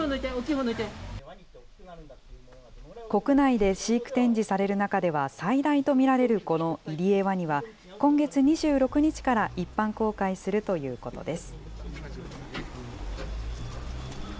国内で飼育展示される中では最大と見られるこのイリエワニは、今月２６日から一般公開するということです。